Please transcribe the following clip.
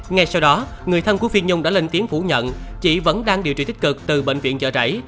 ngay sau đó người thân của phiên nhung đã lên tiếng phủ nhận chị vẫn đang điều trị tích cực từ bệnh viện chợ rẫy